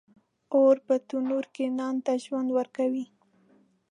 اوړه په تنور کې نان ته ژوند ورکوي